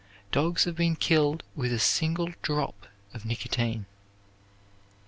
Dogs have been killed with a single drop of nicotine.